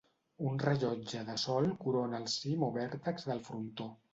Un rellotge de sol corona el cim o vèrtex del frontó.